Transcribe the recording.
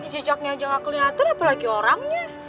cicoknya aja gak keliatan apalagi orangnya